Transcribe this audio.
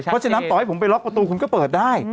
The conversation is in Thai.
เพราะฉะนั้นต่อให้ผมไปล็อกประตูคุณก็เปิดได้